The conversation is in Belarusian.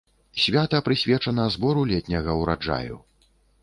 Свята прысвечана збору летняга ўраджаю.